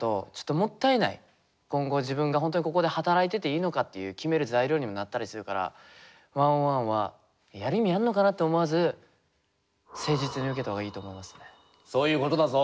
今後自分が本当にここで働いてていいのかっていう決める材料にもなったりするから１ｏｎ１は「やる意味あるのかな？」と思わずそういうことだぞ。